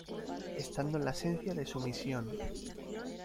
Estando en la esencia de su misión.